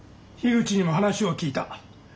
樋口にも話は聞いた。